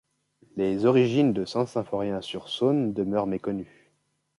Les origines de Saint-Symphorien-sur-Saône demeurent méconnues.